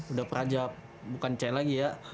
udah praja bukan c lagi ya